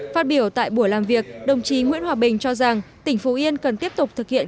phát biểu tại buổi làm việc đồng chí nguyễn hòa bình cho rằng tỉnh phú yên cần tiếp tục thực hiện